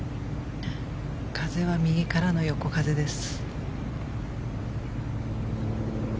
風は右からの横風です。